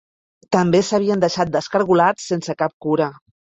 També s'havien deixat descargolats sense cap cura.